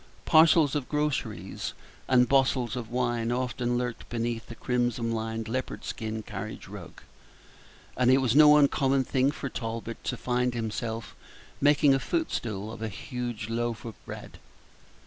Parcels of grocery and bottles of wine often lurked beneath the crimson lined leopard skin carriage rug; and it was no uncommon thing for Talbot to find himself making a footstool of a huge loaf of bread.